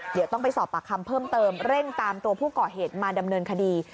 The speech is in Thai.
เดี๋ยวต้องไปสอบปากคำเพิ่มเติมเร่งตามตัวผู้ก่อเหตุมาดำเนินคดี